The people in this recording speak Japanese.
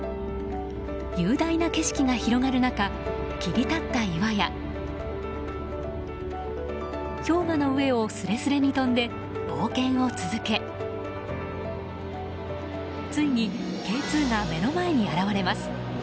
雄大な景色が広がる中切り立った岩や氷河の上をすれすれに飛んで冒険を続けついにＫ２が目の前に現れます。